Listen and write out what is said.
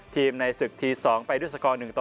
ในศึกที๒ไปด้วยสกอร์๑ต่อ